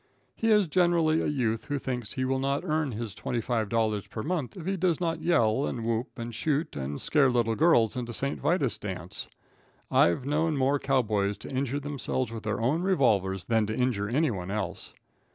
He is generally a youth who thinks he will not earn his twenty five dollars per month if he does not yell, and whoop, and shoot, and scare little girls into St. Vitus's dance. I've known more cow boys to injure themselves with their own revolvers than to injure anyone else.